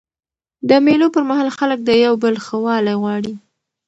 د مېلو پر مهال خلک د یو بل ښه والی غواړي.